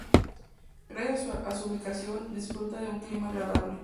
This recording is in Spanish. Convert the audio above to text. Gracias a su ubicación disfruta de un clima agradable.